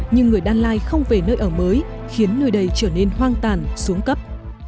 nhưng người đan lai không về nơi ở mới khiến nơi đây trở nên hoang tàn xuống cấp